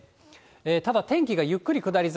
ただ、天気がゆっくり下り坂。